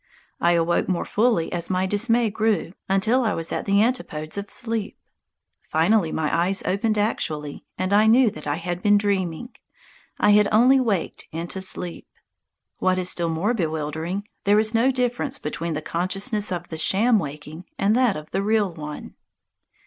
I awoke more fully as my dismay grew, until I was at the antipodes of sleep. Finally my eyes opened actually, and I knew that I had been dreaming. I had only waked into sleep. What is still more bewildering, there is no difference between the consciousness of the sham waking and that of the real one.